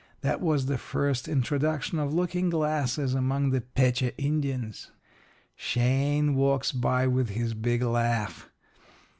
That was the first introduction of looking glasses among the Peche Indians. "Shane walks by with his big laugh.